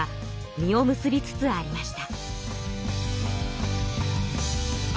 実を結びつつありました。